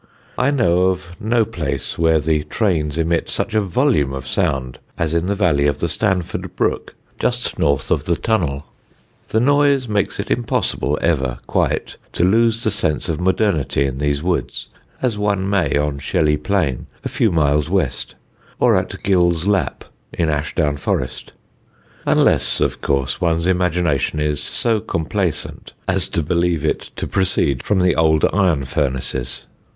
I know of no place where the trains emit such a volume of sound as in the valley of the Stanford brook, just north of the tunnel. The noise makes it impossible ever quite to lose the sense of modernity in these woods, as one may on Shelley Plain, a few miles west, or at Gill's Lap, in Ashdown Forest; unless, of course, one's imagination is so complaisant as to believe it to proceed from the old iron furnaces.